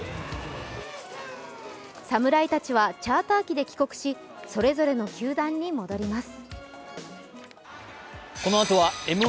侍たちはチャーター機で帰国しそれぞれの球団に戻ります。